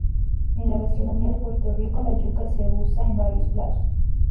En la gastronomía de Puerto Rico la yuca se usa en varios platos.